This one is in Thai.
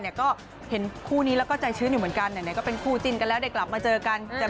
เนี่ยก็แหนคนคู่นี้แล้วก็ใจฉืนเหมือนกันก็เป็นคู่จินกันแล้วกลับมาเจอกันกันมี